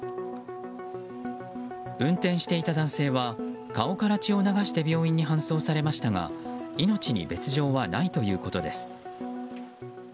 運転していた男性は顔から血を流して病院に搬送されましたが命に別条はないということです。